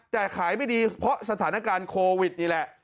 แต่ขายไม่ดีเพราะสถานการณ์โควิดนี่แหละ